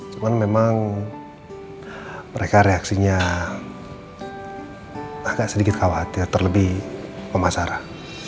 cuman memang mereka reaksinya agak sedikit khawatir terlebih pemasaran